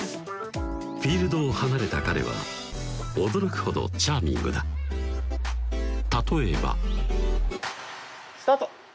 フィールドを離れた彼は驚くほどチャーミングだ例えばスタート